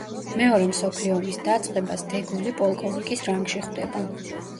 მეორე მსოფლიო ომის დაწყებას დე გოლი პოლკოვნიკის რანგში ხვდება.